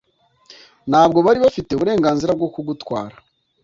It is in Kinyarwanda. ntabwo bari bafite uburenganzira bwo kugutwara